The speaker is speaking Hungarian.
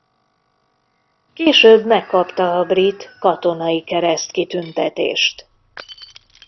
Később megkapta a brit Katonai Kereszt kitüntetést.